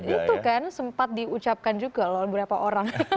itu kan sempat diucapkan juga oleh beberapa orang